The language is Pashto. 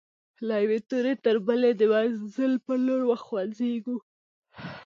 له یوې توري تر بلي د منزل پر لور خوځيږو